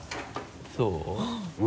そう？